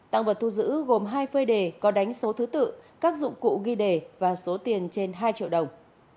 tăng vật thu giữ gồm hai phơi đề có đánh số thứ tự các dụng cụ ghi đề và số tiền trên hai triệu đồng